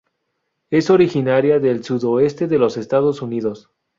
Es originaria del sudoeste de los Estados Unidos.